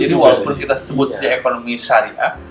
jadi walaupun kita sebutnya ekonomi syariah